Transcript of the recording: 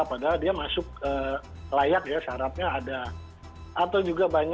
padahal dia masuk layak ya syaratnya